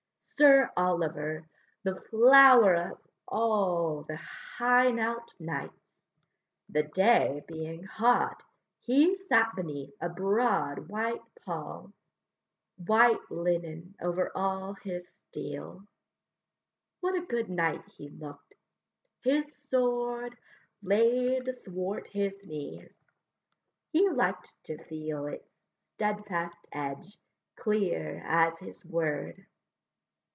Sir Oliver, the flower of all The Hainault knights! The day being hot, He sat beneath a broad white pall, White linen over all his steel; What a good knight he look'd! his sword Laid thwart his knees; he liked to feel Its steadfast edge clear as his word.